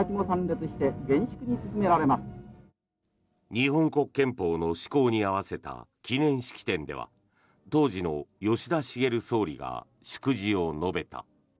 日本国憲法の施行に合わせた記念式典では当時の吉田茂総理が祝辞を述べた。